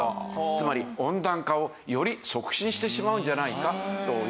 つまり温暖化をより促進してしまうんじゃないかというので。